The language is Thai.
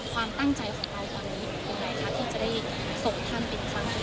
ความตั้งใจของเธอตอนนี้คือไหมคะที่จะได้สกทันเป็นฟังของเธอ